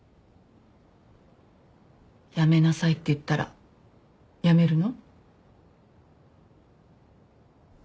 やめなさいって言ったらやめるの？